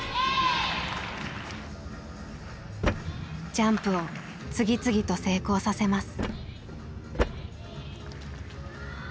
ジャンプを次々と成功させます。